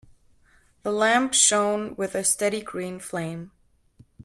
The lamp shone with a steady green flame.